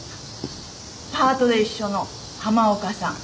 パートで一緒の浜岡さん。